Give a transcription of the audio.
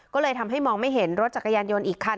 ก็เลยทำให้มองไม่เห็นรถจักรยานยนต์อีกคัน